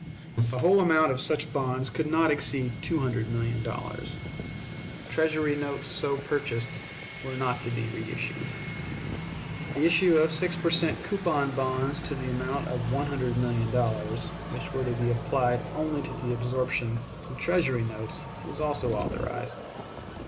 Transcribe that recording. The whole amount of such bonds could not exceed two hundred million dollars. Treasury notes so purchased were not to be reissued. The issue of six per cent. coupon bonds to the amount of one hundred million dollars, which were to be applied only to the absorption of Treasury notes, was also authorized.